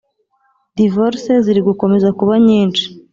Divorce zirigukomeza kuba nyinshi